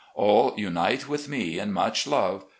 All unite with me in much love.